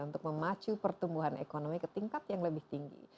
untuk memacu pertumbuhan ekonomi ke tingkat yang lebih tinggi